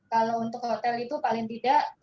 kalau untuk hotel itu paling tidak